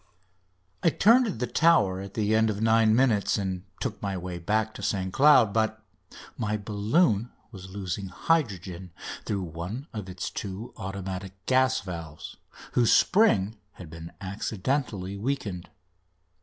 I turned the Tower at the end of nine minutes and took my way back to St Cloud; but my balloon was losing hydrogen through one of its two automatic gas valves, whose spring had been accidentally weakened.